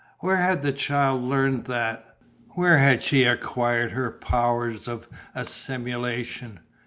Where had the child learnt that? Where had she acquired her powers of assimilation?